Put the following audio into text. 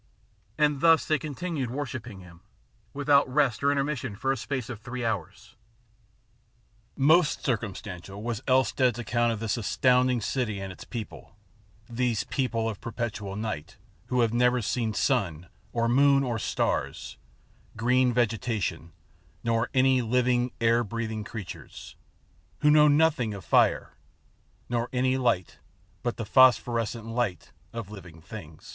And thus they con tinued worshipping him, without rest or intermis sion, for the space of three hours. Most circumstantial was Elstead's account of this astounding city and its people, these people of perpetual night, who have never seen sun or moon or stars, green vegetation, nor any living, air breath ing creatures, who know nothing of fire, nor any light but the phosphorescent light of living things.